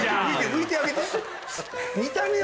拭いてあげて。